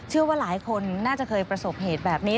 เชื่อว่าหลายคนน่าจะเคยประสบเหตุแบบนี้